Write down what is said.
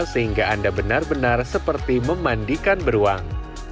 sehingga anda benar benar seperti memandikan beruang